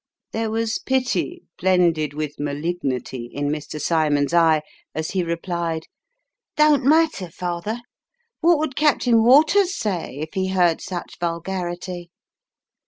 There was pity, blended with malignity, in Mr. Cymon's eye, as he replied, " Don't matter, father ! What would Captain Waters say, if he heard such vulgarity